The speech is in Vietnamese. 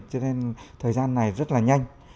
cho nên thời gian này rất là nhanh